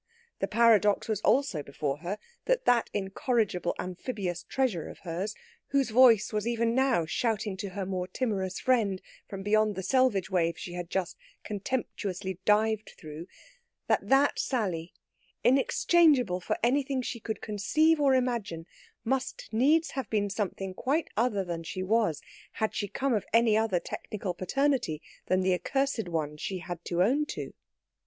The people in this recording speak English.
The paradox was also before her that that incorrigible amphibious treasure of hers, whose voice was even now shouting to her more timorous friend from beyond the selvage wave she had just contemptuously dived through that that Sally, inexchangeable for anything she could conceive or imagine, must needs have been something quite other than she was, had she come of any other technical paternity than the accursed one she had to own to.